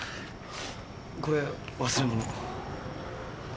これ忘れ物。